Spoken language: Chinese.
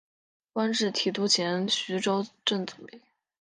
官至提督衔徐州镇总兵。